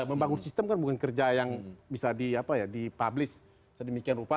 membangun sistem kan bukan kerja yang bisa dipublish sedemikian rupa